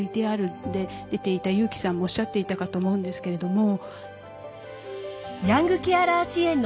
ＶＴＲで出ていた優輝さんもおっしゃっていたかと思うんですけれども。